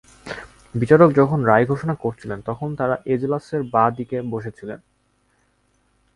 বিচারক যখন রায় ঘোষণা করছিলেন, তখন তাঁরা এজলাসের বাঁ দিকে বসে ছিলেন।